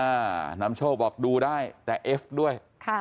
อ่าน้ำโชกบอกดูได้แต่เอฟด้วย